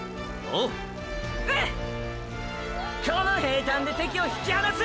この平坦で敵を引き離す！！